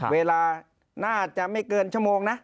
เวลาน่าจะไม่เกินชั่วโมงนะ